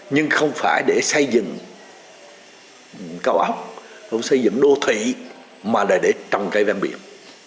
nhưng không phải để xây dựng cao óc không xây dựng đô thị mà để trong cây ven biển